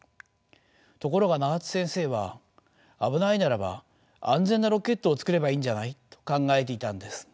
ところが永田先生は「危ないならば安全なロケットを作ればいいんじゃない？」と考えていたんです。